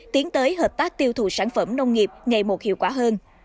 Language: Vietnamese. tiến tới hợp tác tiêu thụ sản phẩm nông nghiệp ngày một hiệu quả hơn